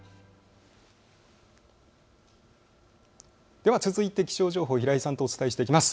では続いて気象情報、平井さんとお伝えしていきます。